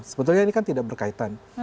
sebetulnya ini kan tidak berkaitan